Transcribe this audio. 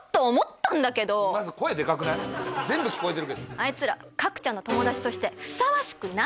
あいつら角ちゃんの友達としてふさわしくないって。